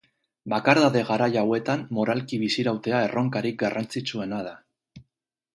Bakardade garai hauetan moralki bizirautea erronkarik garrantzitsuena da.